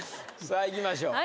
さあいきましょう。